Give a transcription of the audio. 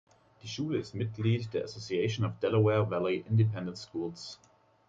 Die Schule ist Mitglied der „Association of Delaware Valley Independent Schools“.